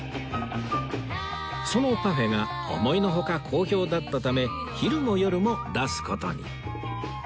そのパフェが思いのほか好評だったため昼も夜も出す事に